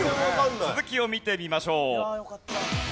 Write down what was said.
続きを見てみましょう。